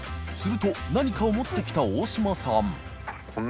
垢襪何かを持ってきた大島さん緑川）